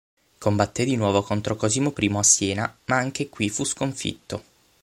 Combatté di nuovo contro Cosimo I a Siena, ma anche qui fu sconfitto.